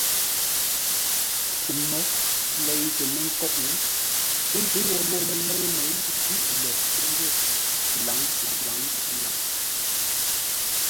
Mǒghʼ lei tə mə́ kóʼ, pə́ jwô mələ̂ʉ měi ghíʼ lə̂r ńgó lâŋ-lâŋ-lâŋ.